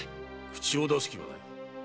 口を出す気はない。